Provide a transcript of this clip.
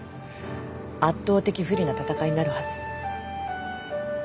圧倒的不利な戦いになるはず。